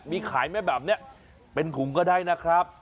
มีขายไหมแบบนี้เป็นถุงก็ได้นะครับ